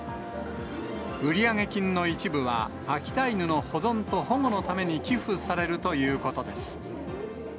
売上金の一部は、秋田犬の保存と保護のために寄付されるということです。